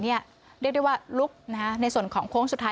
เรียกได้ว่าลุกในส่วนของโค้งสุดท้าย